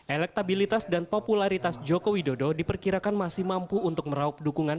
elektabilitas dan popularitas joko widodo diperkirakan masih mampu untuk meraup dukungan